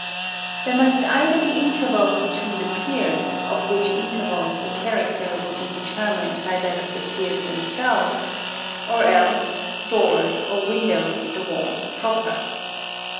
_ There must either be intervals between the piers, of which intervals the character will be determined by that of the piers themselves, or else doors or windows in the walls proper.